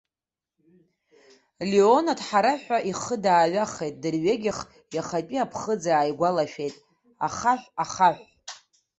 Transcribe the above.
Леон аҭҳарцәҳәа ихы дааҩахеит, дырҩегьых иахатәи иԥхыӡ ааигәалашәеит, ахаҳә, ахаҳә.